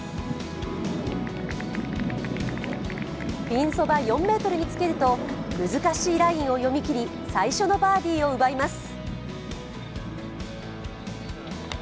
ピンそば４ｍにつけると難しいラインを読み切り最初のバーディーを奪います。